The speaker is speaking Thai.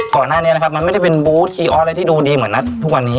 ก่อนหน้านี้แหละครับมันไม่ได้เป็นบู๊ตที่ดูดีเหมือนนัดทุกวันนี้